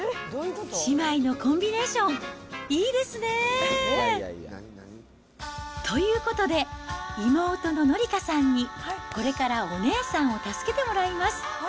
姉妹のコンビネーション、いいですね。ということで、妹の紀香さんに、これからお姉さんを助けてもらいます。